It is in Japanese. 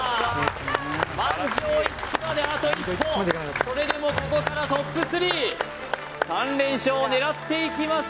満場一致まであと一歩それでもここからＴＯＰ３３連勝を狙っていきます